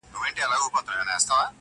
چي هغوى خيالي ټوكران پرې ازمېيله؛